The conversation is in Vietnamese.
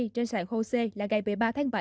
trên sàn hồ c là ngày một mươi ba tháng bảy